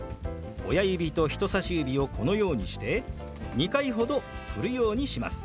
親指と人さし指をこのようにして２回ほどふるようにします。